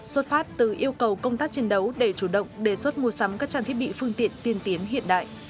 xuất phát từ yêu cầu công tác chiến đấu để chủ động đề xuất mua sắm các trang thiết bị phương tiện tiên tiến hiện đại